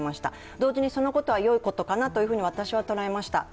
同時に、そのことはよいことかなと私は捉えました。